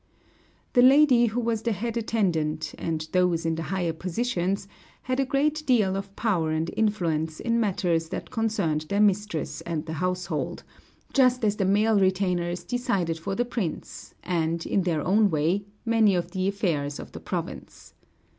The lady who was the head attendant, and those in the higher positions, had a great deal of power and influence in matters that concerned their mistress and the household; just as the male retainers decided for the prince, and in their own way, many of the affairs of the province.